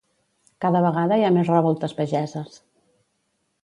Cada vegada hi ha més revoltes pageses.